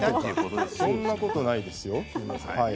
そんなことないですよ。